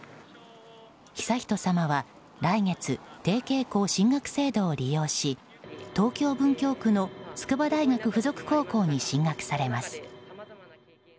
悠仁さまは来月、提携校進学制度を利用し東京・文京区の筑波大学附属高校に進学されます。